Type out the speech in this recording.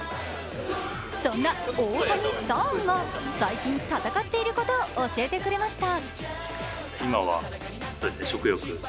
そんな大谷ＳＵＮが最近戦っていること教えてくれました。